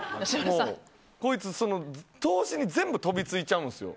こいつ、投資に全部飛びついちゃうんですよ。